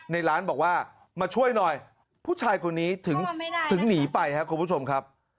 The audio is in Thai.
ในร้านบอกว่ามาช่วยหน่อยผู้ชายคนนี้ถึงหนีไปครับคุณผู้ชมครับ